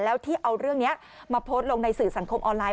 แล้วที่เอาเรื่องนี้มาโพสต์ลงในสื่อสังคมออนไลน